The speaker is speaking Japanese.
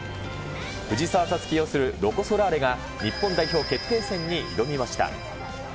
藤澤五月擁するロコ・ソラーレが日本代表決定戦に挑みました。